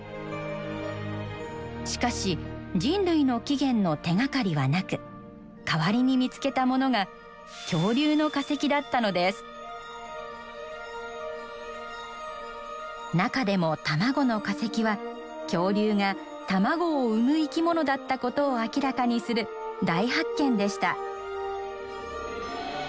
しかし人類の起源の手がかりはなく代わりに見つけたものが中でも卵の化石は恐竜が卵を産む生き物だったことを明らかにする大発見でした。